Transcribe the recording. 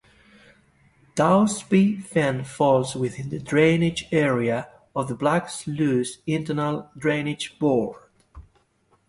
Dowsby Fen falls within the drainage area of the Black Sluice Internal Drainage Board.